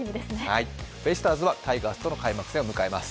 ベイスターズはタイガースとの開幕戦を迎えます。